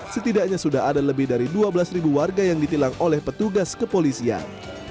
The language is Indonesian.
setidaknya sudah ada lebih dari dua belas warga yang ditilang oleh petugas kepolisian